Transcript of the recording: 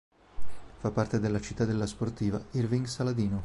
Fa parte della cittadella sportiva Irving Saladino.